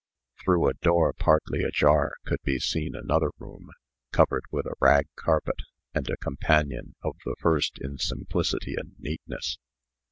Through a door partly ajar could be seen another room, covered with a rag carpet, and the companion of the first in simplicity and neatness.